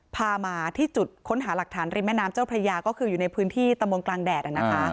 พามาที่จุดค้นหาหลักฐานริมแม่น้ำเจ้าพระยาก็คืออยู่ในพื้นที่ตำบลกลางแดดนะคะ